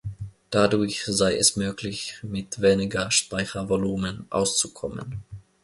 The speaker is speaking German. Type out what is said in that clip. Dadurch sei es möglich, mit weniger Speichervolumen auszukommen.